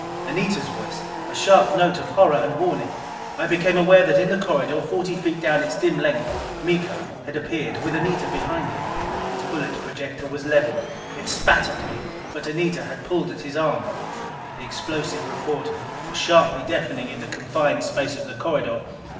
Anita's voice! A sharp note of horror and warning. I became aware that in the corridor, forty feet down its dim length, Miko had appeared with Anita behind him. His bullet projector was leveled. It spat at me. But Anita had pulled at his arm. The explosive report was sharply deafening in the confined space of the corridor.